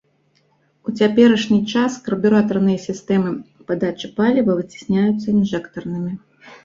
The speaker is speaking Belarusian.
У цяперашні час карбюратарныя сістэмы падачы паліва выцясняюцца інжэктарнымі.